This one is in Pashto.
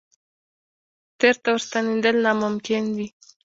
تېر ته ورستنېدل ناممکن دي.